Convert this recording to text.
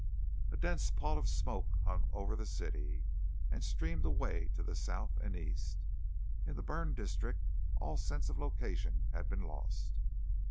A dense pall of smoke hung over the city, and streamed away to the south and east. In the burned district all sense of location had been lost.